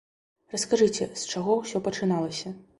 Раскажыце, з чаго ўсё пачыналася?